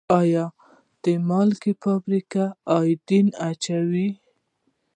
آیا د مالګې فابریکې ایوډین اچوي؟